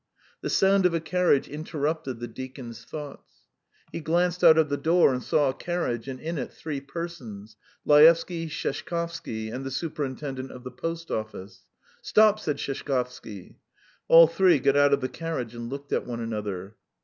... The sound of a carriage interrupted the deacon's thoughts. He glanced out of the door and saw a carriage and in it three persons: Laevsky, Sheshkovsky, and the superintendent of the post office. "Stop!" said Sheshkovsky. All three got out of the carriage and looked at one another.